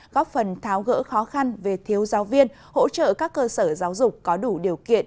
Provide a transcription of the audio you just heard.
góp phần tháo gỡ khó khăn về thiếu giáo viên hỗ trợ các cơ sở giáo dục có đủ điều kiện